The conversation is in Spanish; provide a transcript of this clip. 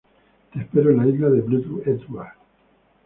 Te espero en la isla de Blood Edward.